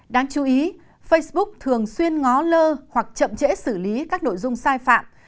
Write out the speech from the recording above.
đáng chú ý facebook thường xuyên ngó lơ hoặc chậm trễ xử lý các nội dung sai phạm